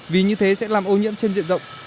vì như thế sẽ làm ô nhiễm trên diện rộng